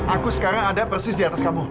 aku sekarang ada persis diatas kamu